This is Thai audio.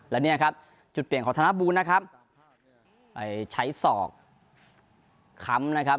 และเนี่ยครับจุดเปลี่ยนของธนบูลนะครับไปใช้ศอกค้ำนะครับ